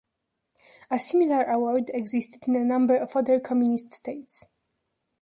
A similar award existed in a number of other communist states.